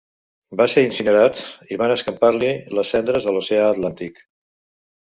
Va ser incinerat, i van escampar-li les cendres a l'oceà Atlàntic.